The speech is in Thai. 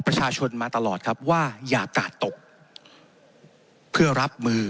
ประชาชนมาตลอดครับว่าอย่ากาดตกเพื่อรับมือ